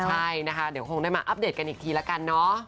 ใช่นะคะเดี๋ยวคงได้มาอัปเดตกันอีกทีละกันเนาะ